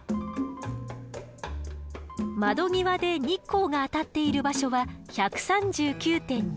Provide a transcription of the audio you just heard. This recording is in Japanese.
窓際で日光が当たっている場所は１３９．２。